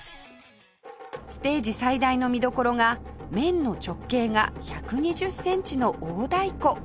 ステージ最大の見どころが面の直径が１２０センチの大太鼓